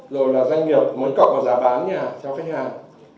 rồi là doanh nghiệp muốn cộng vào giá bán nhà cho khách hàng